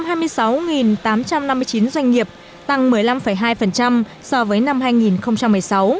đạt kỷ lục cao nhất từ trước đến nay với một trăm hai mươi sáu tám trăm năm mươi chín doanh nghiệp tăng một mươi năm hai so với năm hai nghìn một mươi sáu